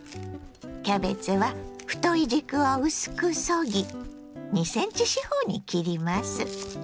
キャベツは太い軸を薄くそぎ２ｃｍ四方に切ります。